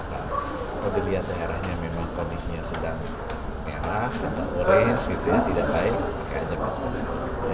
kalau dilihat daerahnya memang kondisinya sedang merah sedang orange tidak baik pakai aja maskernya